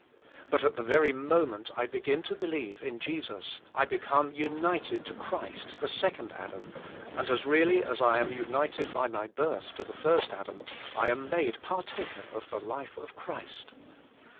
But at the very moment I begin to believe in Jesus, I become united to Christ, the second Adam, and as really as I am united by my birth to the first Adam, I am made partaker of the life of Christ.